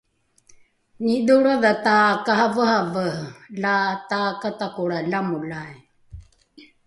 ni’idholroadha takaraveravere la takatakolra lamolai